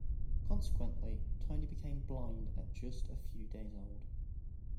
Consequently, Tony became blind at just a few days old.